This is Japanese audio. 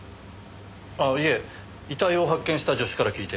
あいえ遺体を発見した助手から聞いて。